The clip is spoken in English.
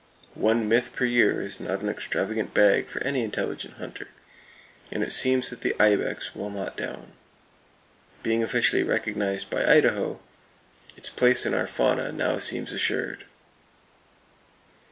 One myth per year is not an extravagant bag for any intelligent hunter; and it seems that the "ibex" will not down. Being officially recognized by Idaho, its place in our fauna now seems assured.